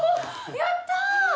やった！